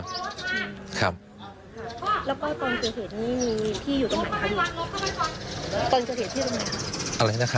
แล้วก็ตอนเกิดเหตุนี้มีพี่อยู่ตรงไหนครับ